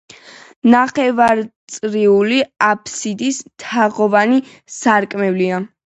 ნახევარწრიულ აფსიდში თაღოვანი სარკმელია.